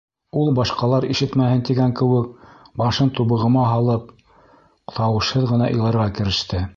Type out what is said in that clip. Ул башҡалар ишетмәһен тигән кеүек, башын тубығыма һалып, тауышһыҙ ғына иларға кереште.